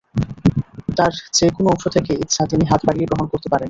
তার যে কোন অংশ থেকে ইচ্ছা তিনি হাত বাড়িয়ে গ্রহণ করতে পারেন।